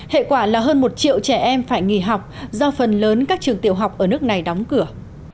hệ quả là hơn một triệu trẻ em phải nghỉ học do phần lớn các trường tiểu học ở nước này đóng cửa